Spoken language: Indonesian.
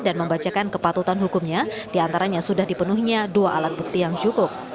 dan membacakan kepatutan hukumnya diantaranya sudah dipenuhinya dua alat bukti yang cukup